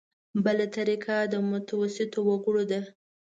بله طریقه د متوسطو وګړو ده.